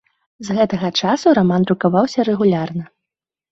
З гэтага часу раман друкаваўся рэгулярна.